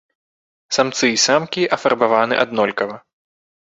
Самцы і самкі афарбаваны аднолькава.